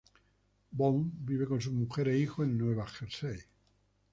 Bond vive con su mujer e hijo en Nueva Jersey.